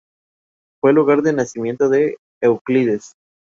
Fue el lugar de nacimiento de Euclides.